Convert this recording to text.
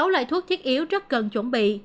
sáu loại thuốc thiết yếu rất cần chuẩn bị